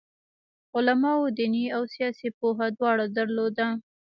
علماوو دیني او سیاسي پوهه دواړه درلوده.